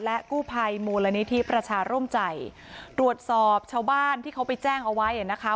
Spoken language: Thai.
และกู้ภัยมูลนิธิประชาร่มใจตรวจสอบชาวบ้านที่เขาไปแจ้งเอาไว้นะคะ